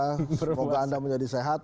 semoga anda menjadi sehat